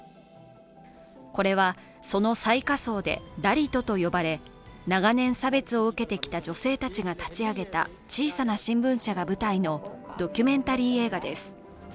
これは、その最下層でダリトと呼ばれ、長年、差別を受けてきた女性たちが立ち上げた小さな新聞社が舞台のドキュメンタリー映画です。